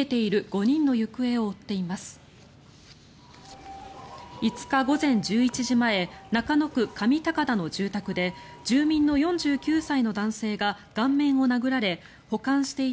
５日午前１１時前中野区上高田の住宅で住民の４９歳の男性が顔面を殴られ保管していた